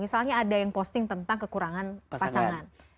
misalnya ada yang posting tentang kekurangan pasangan